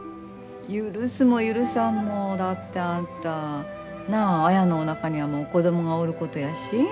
許すも許さんもだってあんたなあ綾のおなかにはもう子供がおることやし。